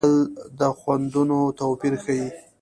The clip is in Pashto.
خوړل د خوندونو توپیر ښيي